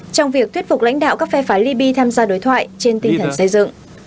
trong việc thuyết phục lãnh đạo các phe phái libya tham gia đối thoại trên tinh thần xây dựng